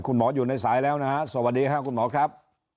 คุณหมออยู่ในสายแล้วนะฮะสวัสดีค่ะคุณหมอครับ